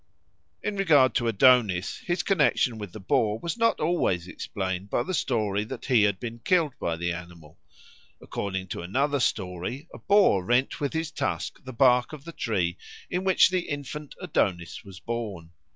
In regard to Adonis, his connexion with the boar was not always explained by the story that he had been killed by the animal. According to another story, a boar rent with his tusk the bark of the tree in which the infant Adonis was born.